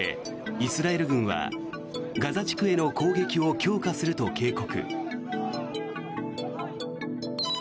イスラエル軍はガザ地区への攻撃を強化すると警告。